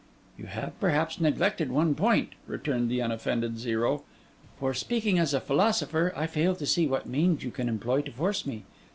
'You have perhaps neglected one point,' returned the unoffended Zero: 'for, speaking as a philosopher, I fail to see what means you can employ to force me.